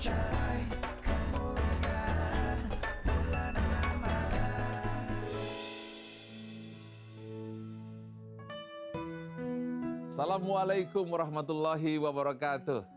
assalamualaikum warahmatullahi wabarakatuh